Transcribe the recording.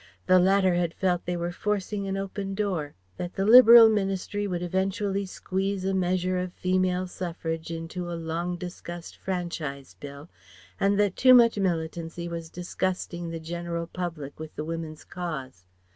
The latter had felt they were forcing an open door; that the Liberal Ministry would eventually squeeze a measure of Female Suffrage into the long discussed Franchise Bill; and that too much militancy was disgusting the general public with the Woman's cause.